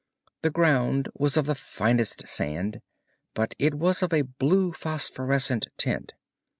The ground was of the finest sand, but it was of a blue phosphorescent tint.